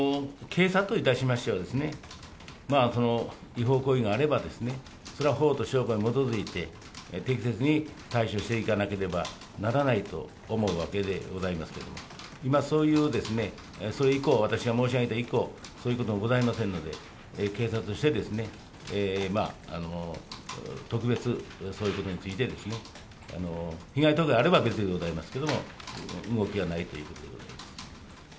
警察といたしましては、違法行為があれば、それは法と証拠に基づいて、適切に対処していかなければならないと思うわけでございますけれども、今、そういう、それ以降、私が申し上げた以降、そういうことがございませんので、警察として特別そういうことについて、被害届があれば別でございますけれども、動きがないということです。